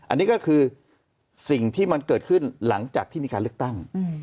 อันนี้ก็คือสิ่งที่มันเกิดขึ้นหลังจากที่มีการเลือกตั้ง